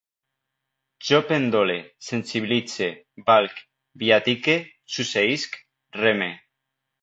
Jo pendole, sensibilitze, valc, viatique, succeïsc, reme